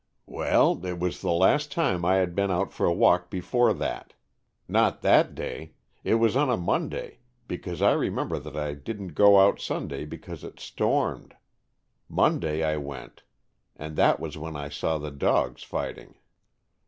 "Well, it was the last time I had been out for a walk before that. Not that day. It was on a Monday, because I remember that I didn't go out Sunday because it stormed. Monday I went, and that was when I saw the dogs fighting."